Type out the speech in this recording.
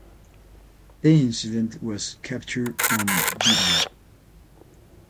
The incident was captured on video.